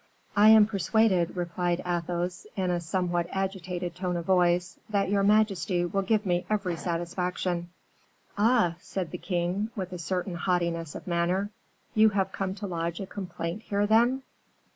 "I am persuaded," replied Athos, in a somewhat agitated tone of voice, "that your majesty will give me every satisfaction." "Ah!" said the king, with a certain haughtiness of manner, "you have come to lodge a complaint here, then?"